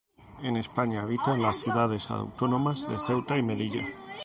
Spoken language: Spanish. En España habita en las ciudades autónomas de Ceuta y Melilla.